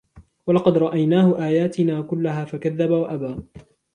ولقد أريناه آياتنا كلها فكذب وأبى